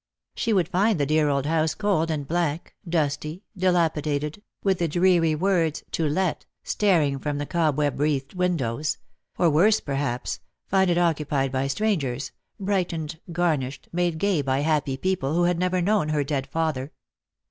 She would find the dear old house cold and blank, dusty, dilapidated, with the dreary words "To Let" staring from the cobweb wreathed windows ; or worse, perhaps, find it occupied by strangers, brightened, garnished, made gay by happy people who had never known her dead father.